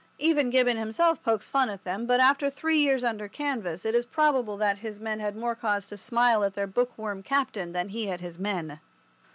Even Gibbon himself pokes fun at them; but after three years under canvas it is probable that his men had more cause to smile at their book worm captain than he at his men.